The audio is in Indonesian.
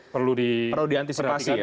perlu diantisipasi ya